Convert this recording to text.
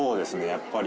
やっぱり。